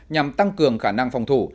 nhằm tăng cường khả năng phòng thủ